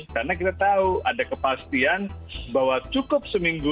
karena kita tahu ada kepastian bahwa cukup seminggu